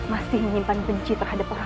masih menyimpan benci terhadap orang lain